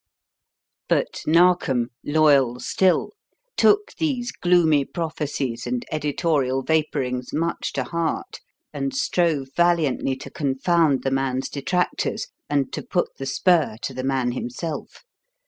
But Narkom, loyal still, took these gloomy prophecies and editorial vapourings much to heart and strove valiantly to confound the man's detractors and to put the spur to the man himself.